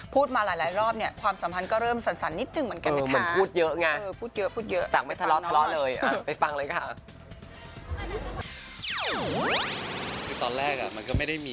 พูดมาหลายรอบความสัมพันธ์ก็เริ่มสั่นนิดถึงเหมือนกัน